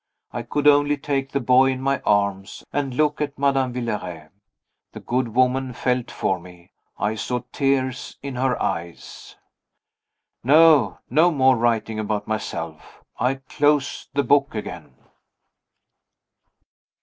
I could only take the boy in my arms, and look at Madame Villeray. The good woman felt for me. I saw tears in her eyes. No! no more writing about myself. I close the book again.